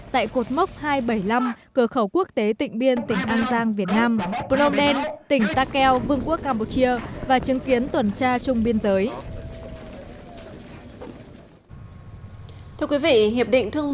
tại cột mốc hai trăm bảy mươi năm cờ khẩu quốc tế tịnh biên tỉnh an giang việt nam